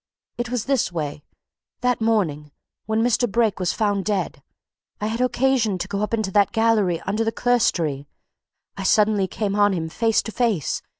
It was this way. That morning when Mr. Brake was found dead I had occasion to go up into that gallery under the clerestory. I suddenly came on him face to face.